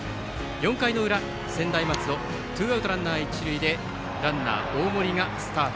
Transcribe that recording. ４回の裏、専大松戸ツーアウトランナー、一塁でランナー、大森がスタート。